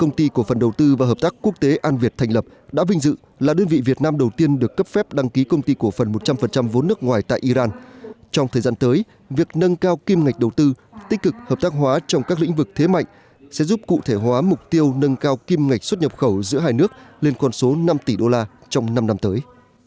công ty cổ phần đầu tư và hợp tác quốc tế an việt thành lập đã vinh dự là đơn vị việt nam đầu tiên được cấp phép đăng ký công ty cổ phần một trăm linh vốn nước ngoài tại iran trong thời gian tới việc nâng cao kim ngạch đầu tư tích cực hợp tác hóa trong các lĩnh vực thế mạnh sẽ giúp cụ thể hóa mục tiêu nâng cao kim ngạch xuất nhập khẩu giữa hai nước lên con số năm tỷ đô la trong năm năm tới